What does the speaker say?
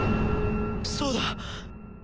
そうだ！